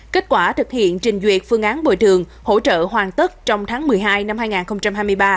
kết quả thực hiện trình duyệt phương án bồi thường hỗ trợ hoàn tất trong tháng một mươi hai năm hai nghìn hai mươi ba